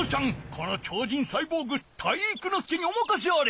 この超人サイボーグ体育ノ介におまかせあれ！